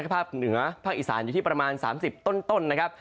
ภาคเหนือภาคอีสานอยู่ที่ประมาณ๓๐ต้นนะครับ